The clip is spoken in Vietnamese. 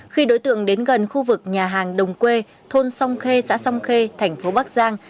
khi đối tượng đến gần khu vực nhà hàng đồng quê thôn song khê xã song khê thành phố bắc giang